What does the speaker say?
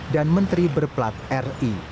dan menteri berplat ri